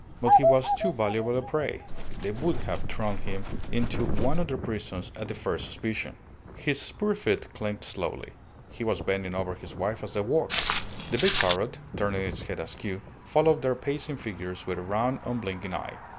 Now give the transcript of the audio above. But he was too valuable a prey. They would have thrown him into one of their prisons at the first suspicion." His spurred feet clinked slowly. He was bending over his wife as they walked. The big parrot, turning its head askew, followed their pacing figures with a round, unblinking eye.